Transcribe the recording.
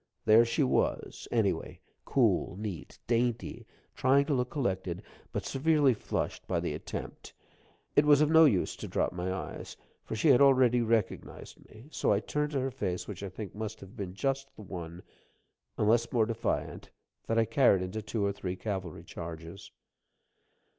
There she was, anyway cool, neat, dainty, trying to look collected, but severely flushed by the attempt. It was of no use to drop my eyes, for she had already recognized me; so I turned to her a face which I think must have been just the one unless more defiant that I carried into two or three cavalry charges.